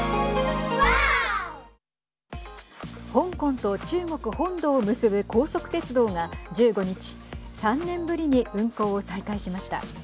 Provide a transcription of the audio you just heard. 香港と中国本土を結ぶ高速鉄道が１５日３年ぶりに運行を再開しました。